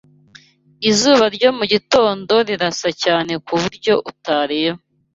Izuba ryo mu gitondo rirasa cyane ku buryo utareba.